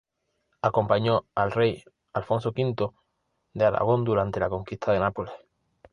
Acompañó al rey Alfonso V de Aragón durante la conquista de Nápoles.